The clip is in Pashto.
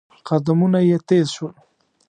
قدمونه يې تېز شول.